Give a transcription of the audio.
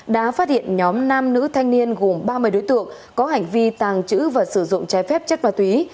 đã phát hiện nhóm nam nữ thanh niên gồm ba mươi đối tượng có hành vi tàng trữ và sử dụng trái phép chất ma túy